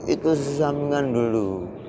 itu sesamikan dulu